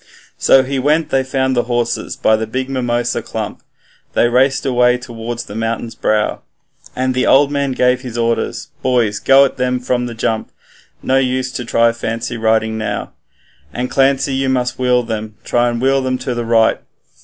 So he went they found the horses by the big mimosa clump They raced away towards the mountain's brow, And the old man gave his orders, 'Boys, go at them from the jump, No use to try for fancy riding now. And, Clancy, you must wheel them, try and wheel them to the right.